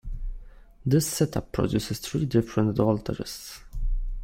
This setup produces three different voltages.